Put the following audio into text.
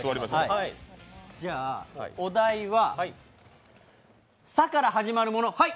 じゃあお題はさから始まるもの、はい。